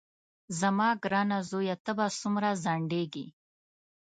زما ګرانه زویه ته به څومره ځنډېږې.